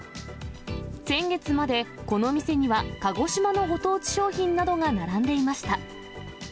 先月までこの店には鹿児島のご当地商品などが並んでいました。